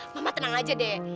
mama tenang aja deh